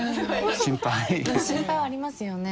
心配はありますよね